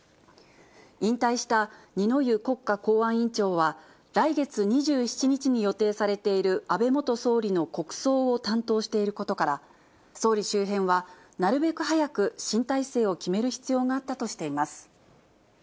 引退した二之湯国家公安委員長は、来月２７日に予定されている安倍元総理の国葬を担当していることから、総理周辺は、なるべく早く新体制を決める必要があったとしています。